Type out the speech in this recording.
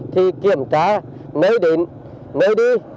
thì kiểm tra mới đến mới đi